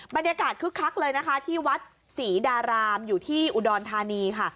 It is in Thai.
คึกคักเลยนะคะที่วัดศรีดารามอยู่ที่อุดรธานีค่ะ